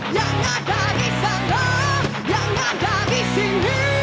yang ada di sana yang ada di sini